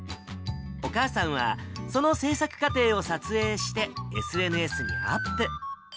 お母さんは、その制作過程を撮影して、ＳＮＳにアップ。